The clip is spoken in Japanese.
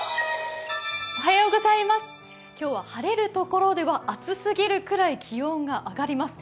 今日は晴れるところでは暑すぎるくらい気温が上がります。